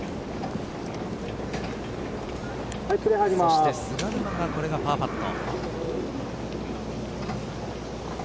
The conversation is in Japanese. そして菅沼がこれがパーパット。